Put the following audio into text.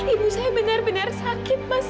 ibu saya benar benar sakit mas